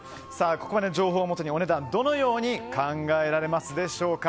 ここまでの情報をもとにお値段、どのように考えられますでしょうか。